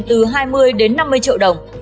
từ hai mươi đến năm mươi triệu đồng